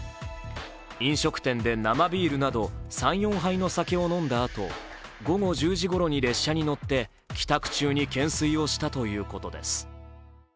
飲食店で生ビールなど３４杯の酒を飲んだあと午後１０時ごろに列車に乗って帰宅中に懸垂をしたということです。